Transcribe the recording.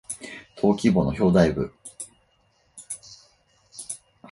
登記簿の表題部